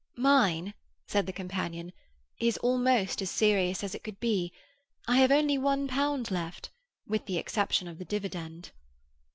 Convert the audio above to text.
"Mine," said the companion, "is almost as serious as it could be. I have only one pound left, with the exception of the dividend."